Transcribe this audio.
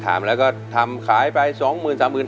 ถามแล้วก็ทำขายไปสองหมื่นสามหมื่น